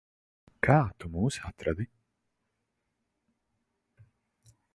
Kā tu mūs atradi?